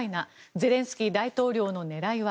ゼレンスキー大統領の狙いは。